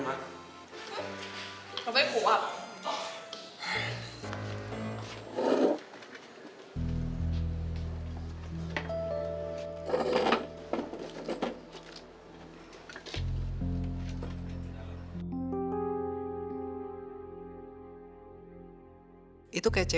daddy kayak jadi keaudya